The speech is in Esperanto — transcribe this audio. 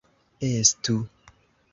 Estu!